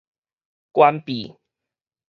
關閉